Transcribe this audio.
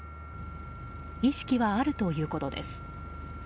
意識はあるということです。